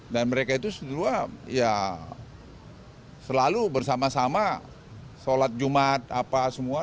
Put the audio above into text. dan mereka itu selalu bersama sama sholat jumat apa semua